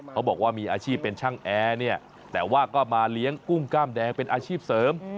เขาบอกว่ามีอาชีพเป็นช่างแอร์เนี่ยแต่ว่าก็มาเลี้ยงกุ้งกล้ามแดงเป็นอาชีพเสริม